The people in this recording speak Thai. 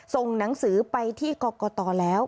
ส่งหนังสือไปที่กรกตแล้ว